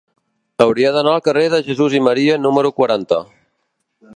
Hauria d'anar al carrer de Jesús i Maria número quaranta.